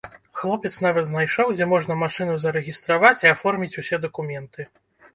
Хлопец нават знайшоў, дзе можна машыну зарэгістраваць і аформіць усе дакументы.